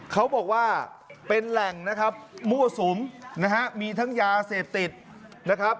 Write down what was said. เขาบอกว่าเป็นแหล่งนะครับมั่วสุมนะฮะมีทั้งยาเสพติดนะครับ